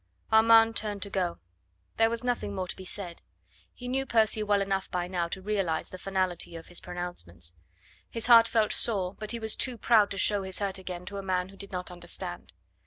Armand turned to go. There was nothing more to be said. He knew Percy well enough by now to realise the finality of his pronouncements. His heart felt sore, but he was too proud to show his hurt again to a man who did not understand.